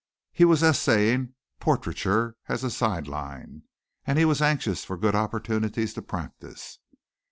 He was essaying portraiture as a side line and he was anxious for good opportunities to practice.